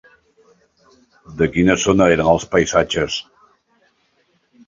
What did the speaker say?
De quina zona eren els paisatges?